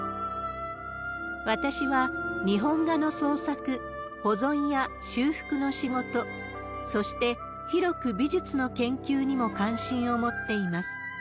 私は日本画の創作、保存や修復の仕事、そして広く美術の研究にも関心を持っています。